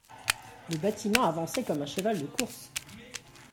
Le bâtiment avançait comme un cheval de course.